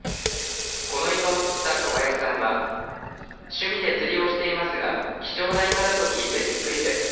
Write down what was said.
このいかを釣った小林さんは趣味で釣りをしていますが貴重ないかだと聞いてびっくりです。